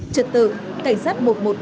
trật tự cảnh sát một trăm một mươi ba